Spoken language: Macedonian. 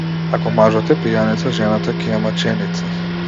Ако мажот е пијаница, жената ќе е маченица.